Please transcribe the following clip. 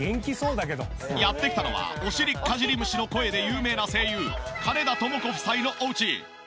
やって来たのはおしりかじり虫の声で有名な声優金田朋子夫妻のおうち。